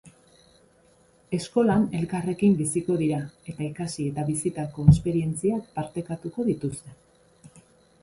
Eskolan elkarrekin biziko dira, eta ikasi eta bizitako esperientziak partekatuko dituzte.